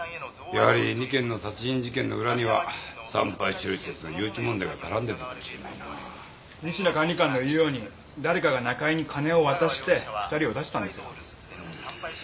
やはり２件の殺人事件の裏には産廃処理施設の誘致問題が絡んでるのかもしれないな仁科管理官の言うように誰かが中井に金を渡して２人を撃たせたんですよ